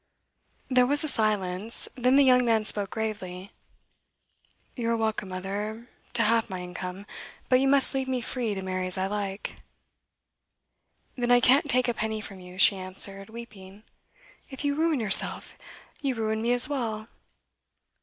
There was a silence. Then the young man spoke gravely: 'You are welcome, mother, to half my income. But you must leave me free to marry as I like.' 'Then I can't take a penny from you,' she answered, weeping. 'If you ruin yourself, you ruin me as well.